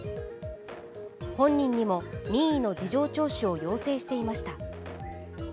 本人にも任意の事情聴取を要請していました。